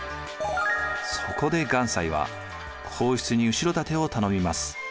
そこで願西は皇室に後ろ盾を頼みます。